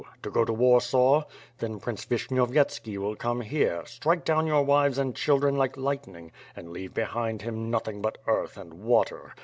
To go to Warsaw? Then Prince Vishnyovyetski will come here; j^O ^^^^^'^^^^^^'^ SWORD. strike down your wives and children like lightning, and leave behind him nothing but earth and water.